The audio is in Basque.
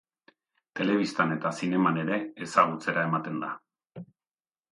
Telebistan eta zineman ere ezagutzera ematen da.